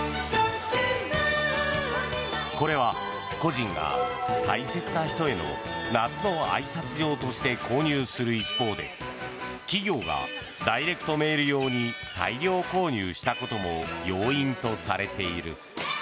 これは個人が大切な人への夏のあいさつ状として購入する一方で企業がダイレクトメール用に大量購入したことも要因とされている。